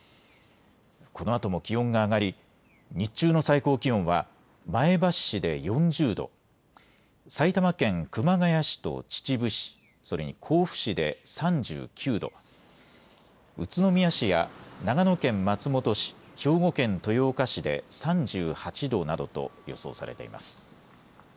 このあとも気温が上がり日中の最高気温は前橋市で４０度、埼玉県熊谷市と秩父市、それに甲府市で３９度、宇都宮市や長野県松本市、兵庫県豊岡市で３８度などと予想されています。